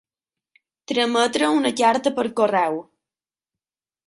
Trametre una carta per correu.